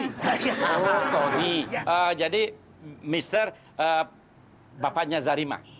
oh tony jadi mister bapaknya zarima